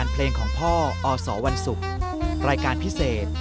เมื่อเวลาเมื่อเวลา